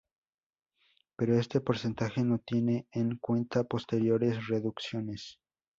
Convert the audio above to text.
Pero este porcentaje no tiene en cuenta posteriores reducciones.